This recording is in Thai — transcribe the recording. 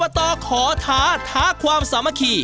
ตขอท้าท้าความสามัคคี